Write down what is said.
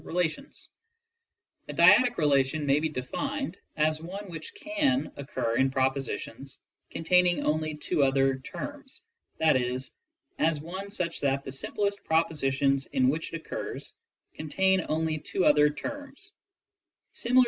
relations. A dyadic re lation may be defined as one which can occur in propositions contain ing only two other terms, i. e,, as one such that the simplest proposi tions in which it occurs contain only two other terms. Similar defi ┬╗ Vol.